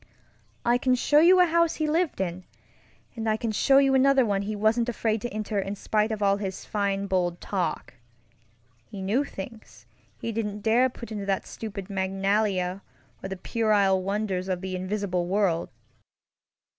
"I can show you a house he lived in, and I can show you another one he was afraid to enter in spite of all his fine bold talk. He knew things he didn't dare put into that stupid Magnalia or that puerile Wonders of the Invisible World.